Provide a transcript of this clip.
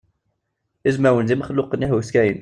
Izmawen d imexluqen ihuskayen.